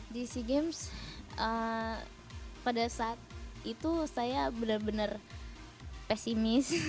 di sea games pada saat itu saya benar benar pesimis